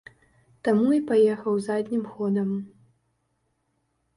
Таму і паехаў заднім ходам.